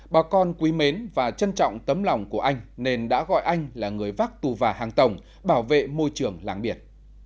bà con quý mến và trân trọng tấm lòng của anh nên đã gọi anh là người vác tù và hàng tổng bảo vệ môi trường làng biển